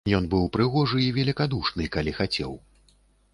Ён быў прыгожы і велікадушны, калі хацеў.